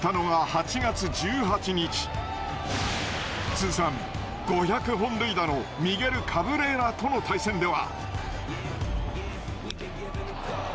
通算５００本塁打のミゲル・カブレーラとの対戦では。